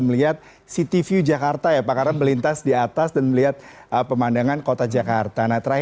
melihat city view jakarta ya pak karena melintas di atas dan melihat pemandangan kota jakarta